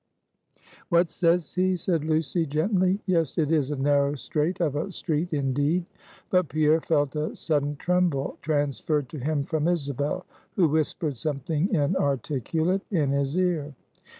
"What says he?" said Lucy gently. "Yes, it is a narrow strait of a street indeed." But Pierre felt a sudden tremble transferred to him from Isabel, who whispered something inarticulate in his ear.